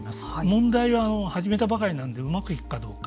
問題は、始めたばかりなのでうまくいくかどうか。